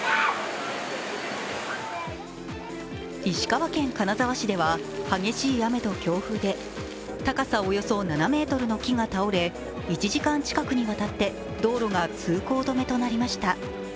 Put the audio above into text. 石川県金沢市では激しい雨と強風で高さおよそ７ｍの木が倒れ１時間近くにわたって道路が通行止めとなりました。